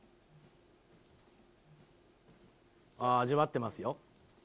味わってますよ。